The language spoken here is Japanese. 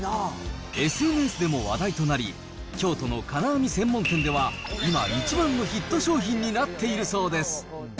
ＳＮＳでも話題となり、京都の金網専門店では、今、一番のヒット商品になっているそうです。